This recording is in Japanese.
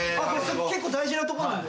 結構大事なとこなんで。